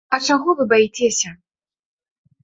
А чаго вы баіцеся?